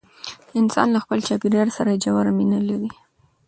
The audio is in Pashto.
انسان له خپل چاپیریال سره ژوره مینه لري.